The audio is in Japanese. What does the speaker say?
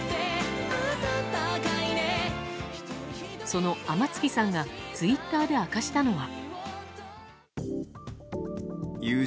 その天月さんがツイッターで明かしたのは。